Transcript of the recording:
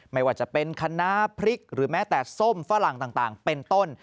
ไม่ว่าจะเป็นคณะพริกหรือแม้แต่ส้มฝรั่งต่างเป็นต้น